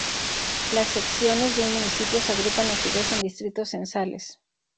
Las secciones de un municipio se agrupan a su vez en distritos censales.